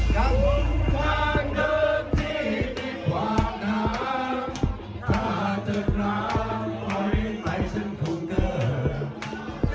กลุ่มทางเดินที่ดีกว่างน้ำถ้าเจอกลางไปไหนฉันคงเกิด